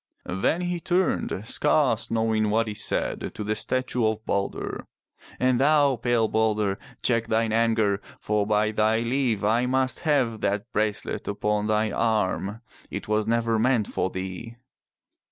Then he turned, scarce knowing what he said, to the statue of Balder. "And thou, pale Balder, check thine anger, for by thy leave, I must have that bracelet upon thine arm. It was never meant for thee."